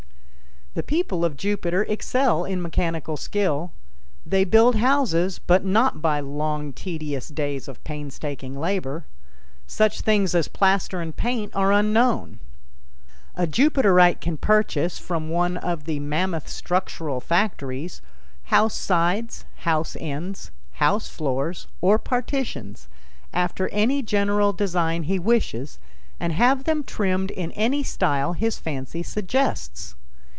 The people of Jupiter excel in mechanical skill. They build houses, but not by long, tedious days of painstaking labor. Such things as plaster and paint are unknown. A Jupiterite can purchase, from one of the mammoth structural factories, house sides, house ends, house floors or partitions, after any general design he wishes, and have them trimmed in any style his fancy suggests.